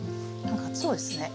何か熱そうですね。